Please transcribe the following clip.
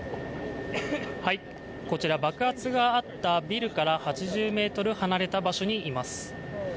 こちら、爆発があったビルから８０ｍ離れた場所にいます。